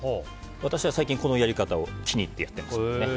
私は最近このやり方を気に入ってやってますね。